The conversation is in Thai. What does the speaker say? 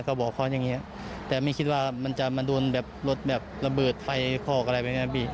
ก็บอกเขาอย่างนี้แต่ไม่คิดว่ามันจะมาโดนแบบรถแบบระเบิดไฟคอกอะไรแบบนี้พี่